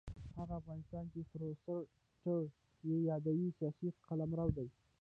هغه افغانستان چې فورسټر یې یادوي سیاسي قلمرو دی.